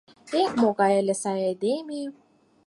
Эх, могай ыле сае айдеме!